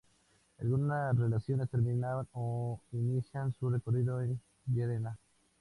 Algunas relaciones terminan o inician su recorrido en Llerena.